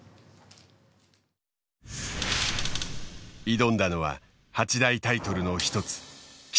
挑んだのは八大タイトルの一つ棋聖。